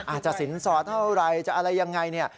อาจจะสินสอเท่าไรจะอะไรยังไงเนี่ย